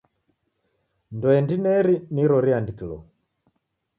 Ndoe ndineri niro riandikilo.